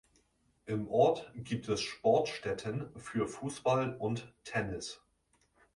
Im Ort gibt es Sportstätten für Fußball und Tennis.